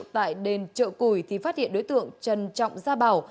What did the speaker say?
tại đền chợ cùi thì phát hiện đối tượng trần trọng gia bảo